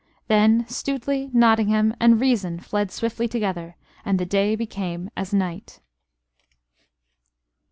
Then Stuteley, Nottingham, and reason fled swiftly together, and the day became as night.